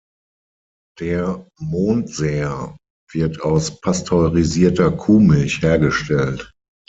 Der Mondseer wird aus pasteurisierter Kuhmilch hergestellt.